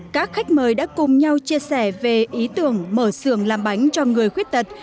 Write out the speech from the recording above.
các khách mời đã cùng nhau chia sẻ về ý tưởng mở sưởng làm bánh cho người khuyết tật